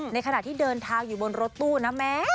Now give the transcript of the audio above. ในขณะที่เดินทางอยู่บนรถตู้นะแม่